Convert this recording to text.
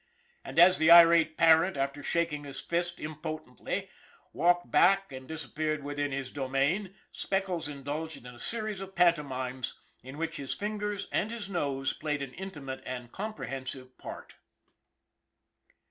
And as the irate parent, after shaking his fist im potently, walked back and disappeared within his domain, Speckles indulged in a series of pantomimes in which his fingers and his nose played an intimate and comprehensive part.